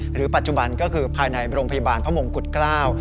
หรือปัจจุบันก็คือภายในโรงพยาบาลพระมงกุฎเกล้า